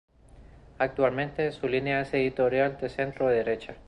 Actualmente, su línea editorial es de centro derecha.